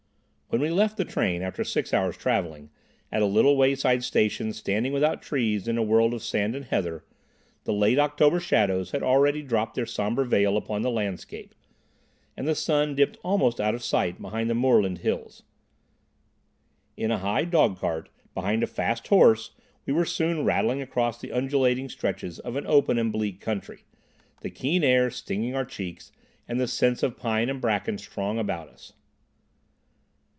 When we left the train, after six hours' travelling, at a little wayside station standing without trees in a world of sand and heather, the late October shadows had already dropped their sombre veil upon the landscape, and the sun dipped almost out of sight behind the moorland hills. In a high dogcart, behind a fast horse, we were soon rattling across the undulating stretches of an open and bleak country, the keen air stinging our cheeks and the scents of pine and bracken strong about us.